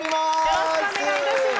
よろしくお願いします。